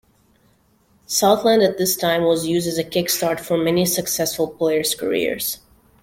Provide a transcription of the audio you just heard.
Southland at this time was used as a kickstart for many successful players careers.